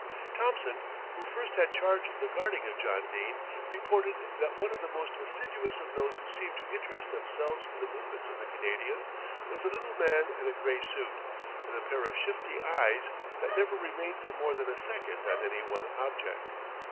Thompson, who first had charge of the guarding of John Dene, reported that one of the most assiduous of those who seemed to interest themselves in the movements of the Canadian, was a little man in a grey suit, with a pair of shifty eyes that never remained for more than a second on any one object.